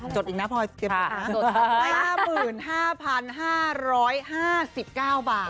จดอีกนะพ่อเตรียมค่ะ๕๕๕๕๙บาท